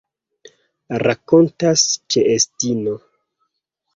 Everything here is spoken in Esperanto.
Rakontas ĉeestinto.